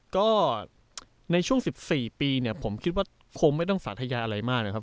ก็ในช่วง๑๔ปีเนี่ยผมคิดว่าคงไม่ต้องสาธยาอะไรมากนะครับ